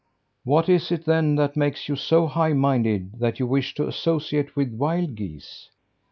"What is it, then, that makes you so high minded that you wish to associate with wild geese?"